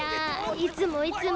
いつもいつも。